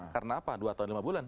karena apa dua tahun lima bulan